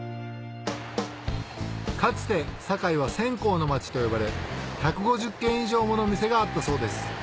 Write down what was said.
かつて堺は「線香の町」と呼ばれ１５０軒以上もの店があったそうです